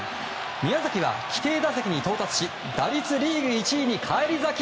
宮崎は規定打席に到達し打率リーグ１位に返り咲き。